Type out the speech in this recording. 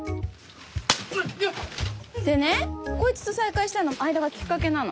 でねこいつと再会したのも愛田がきっかけなの。